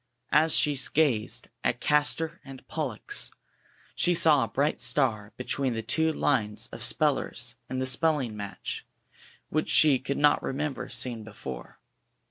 As she gazed at Castor and Pollux, she saw a bright star between the two lines of spellers in the spelling match, which she could not remember seeing before.